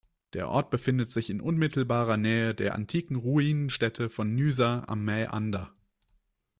Der Ort befindet sich in unmittelbarer Nähe der antiken Ruinenstätte von Nysa am Mäander.